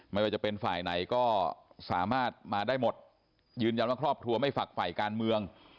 ไม่ว่าจะเป็นฝ่ายไหนก็สามารถมาได้หมดยืนยันว่าครอบครัวไม่ฝักฝ่ายการเมือง